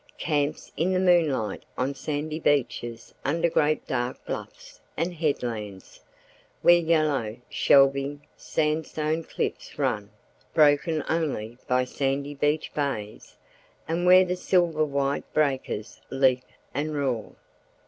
Camps in the moonlight on sandy beaches under great dark bluffs and headlands, where yellow, shelving, sandstone cliffs run, broken only by sandy beached bays, and where the silver white breakers leap and roar.